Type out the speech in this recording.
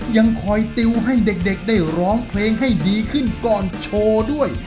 ยังคอยติวให้เด็กได้ร้องเพลงให้ดีขึ้นก่อนโชว์ด้วย